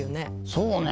そうね